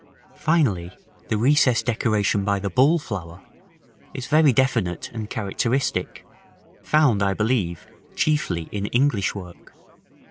§ XII. Finally the recess decoration by the ball flower is very definite and characteristic, found, I believe, chiefly in English work.